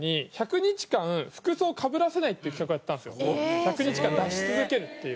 １００日間出し続けるっていう。